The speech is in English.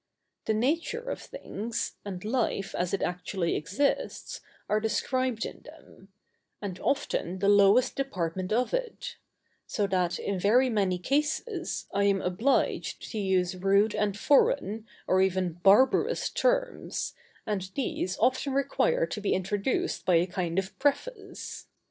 The nature of things, and life as it actually exists, are described in them; and often the lowest department of it; so that, in very many cases, I am obliged to use rude and foreign, or even barbarous terms, and these often require to be introduced by a kind of preface.